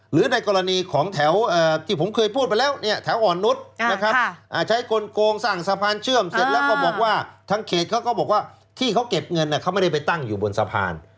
หรือในกรณีของแถวที่ผมเคยพูดไปแล้วเนี่ยแถวอ่อนนุษย์นะครับใช้กลงสร้างสะพานเชื่อมเสร็จแล้วก็บอกว่าทางเขตเขาก็บอกว่าที่เขาเก็บเงินเขาไม่ได้ไปตั้งอยู่บนสะพาน